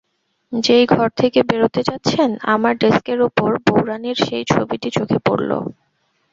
যেই ঘর থেকে বেরোতে যাচ্ছেন, আমার ডেক্সের উপর বউরানীর সেই ছবিটি চোখে পড়ল।